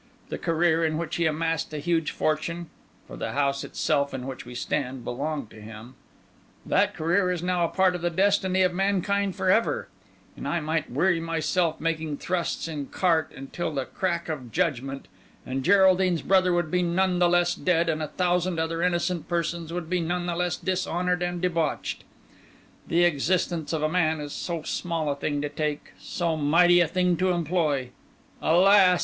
The career in which he amassed a huge fortune (for the house itself in which we stand belonged to him)—that career is now a part of the destiny of mankind for ever; and I might weary myself making thrusts in carte until the crack of judgment, and Geraldine's brother would be none the less dead, and a thousand other innocent persons would be none the less dishonoured and debauched! The existence of a man is so small a thing to take, so mighty a thing to employ! Alas!"